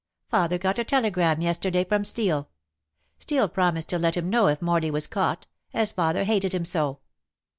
"Father got a telegram yesterday from Steel. Steel promised to let him know if Morley was caught, as father hated him so.